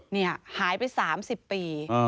นี่หายไป๓๐ปี